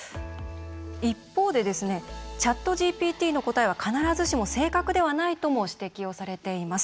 一方でＣｈａｔＧＰＴの答えは必ずしも正確ではないとも指摘をされています。